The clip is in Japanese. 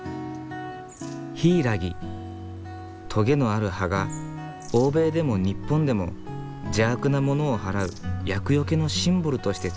トゲのある葉が欧米でも日本でも邪悪なものを払う厄よけのシンボルとして使われる。